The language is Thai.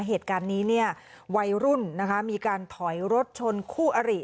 เหตุการณ์นี้เนี่ยวัยรุ่นนะคะมีการถอยรถชนคู่อริ